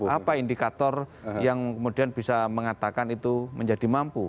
apa indikator yang kemudian bisa mengatakan itu menjadi mampu